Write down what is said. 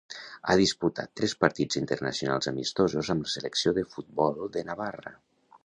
Ha disputat tres partits internacionals amistosos amb la selecció de futbol de Navarra.